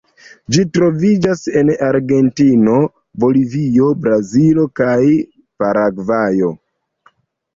Ĝi troviĝas en Argentino, Bolivio, Brazilo kaj Paragvajo.